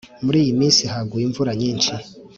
muri iyi minsi haguye imvura nyinshi